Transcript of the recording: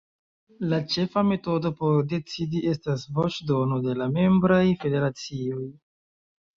La ĉefa metodo por decidi estas voĉdono de la membraj federacioj.